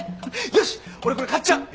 よし俺これ買っちゃう。